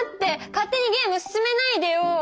勝手にゲーム進めないでよ！